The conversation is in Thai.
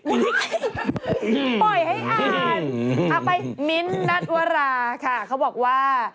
เอาไปมิ้นท์นัทวราค่ะเขาบอกว่า